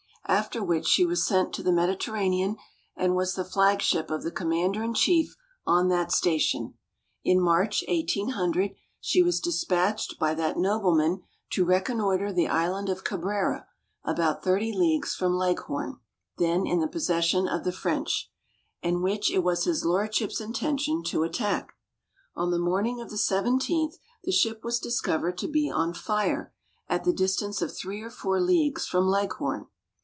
After which she was sent to the Mediterranean, and was the flag ship of the commander in chief on that station. In March, 1800, she was despatched by that nobleman to reconnoitre the island of Cabrera, about thirty leagues from Leghorn, then in the possession of the French, and which it was his lordship's intention to attack. On the morning of the 17th the ship was discovered to be on fire, at the distance of three or four leagues from Leghorn.